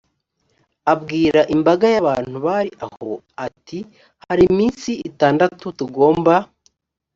abwira imbaga y abantu bari aho ati hari iminsi itandatu tugomba